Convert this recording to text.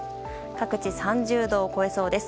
各地、３０度を超えそうです。